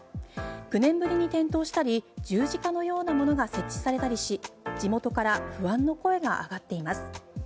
９年ぶりに点灯したり十字架のようなものが設置されたりし地元から不安の声が上がっています。